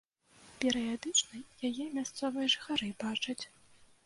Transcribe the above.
Перыядычна яе мясцовыя жыхары бачаць.